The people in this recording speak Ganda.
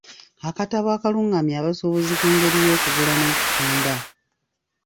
Akatabo akalungamya abasuubuzi ku ngeri y'okugula n'okutunda.